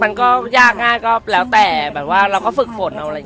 มันก็ยากง่ายสิแล้วแต่เราจะฝึกผล